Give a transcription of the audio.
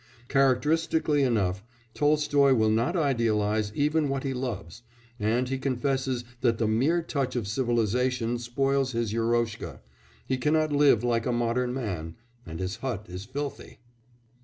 Characteristically enough, Tolstoy will not idealise even what he loves, and he confesses that the mere touch of civilisation spoils his Yeroshka; he cannot live like a modern man, and his hut is filthy.